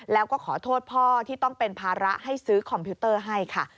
แล้วก็ขอโทษพ่อที่ต้องเป็นภาระให้ซื้อคอมพิวเตอร์ให้ค่ะ